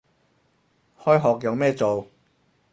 開學有咩做